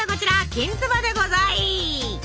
きんつばでござい。